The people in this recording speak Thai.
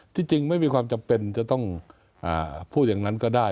จริงไม่มีความจำเป็นจะต้องพูดอย่างนั้นก็ได้